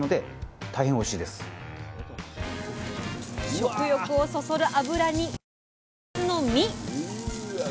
食欲をそそる脂に肉厚の身。